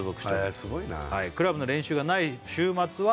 へえすごいな「クラブの練習がない週末は」